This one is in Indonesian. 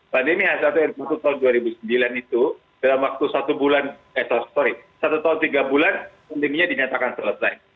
pandemi h satu n satu tahun dua ribu sembilan itu dalam waktu satu bulan eh sorry satu tahun tiga bulan pandeminya dinyatakan selesai